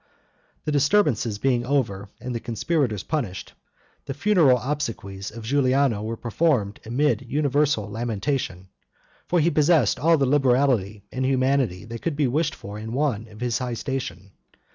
The disturbances being over, and the conspirators punished, the funeral obsequies of Giuliano were performed amid universal lamentation; for he possessed all the liberality and humanity that could be wished for in one of his high station.